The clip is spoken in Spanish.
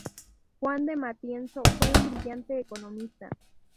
Juan de Matienzo fue un brillante economista.